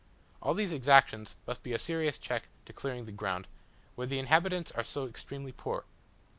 All these exactions must be a serious check to clearing the ground, where the inhabitants are so extremely poor.